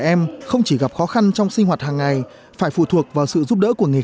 trẻ em không chỉ gặp khó khăn trong sinh hoạt hàng ngày phải phụ thuộc vào sự giúp đỡ của nghề